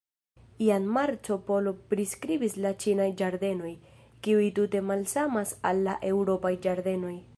Jam Marco Polo priskribis la ĉinaj ĝardenoj, kiuj tute malsamas al la eŭropaj ĝardenoj.